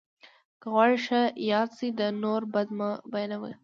که غواړې ښه یاد سې، د نور بد مه بيانوه!